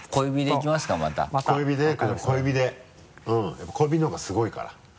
やっぱり小指の方がすごいから。